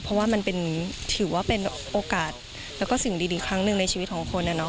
เพราะว่ามันถือว่าเป็นโอกาสแล้วก็สิ่งดีครั้งหนึ่งในชีวิตของคน